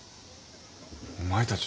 お前たち。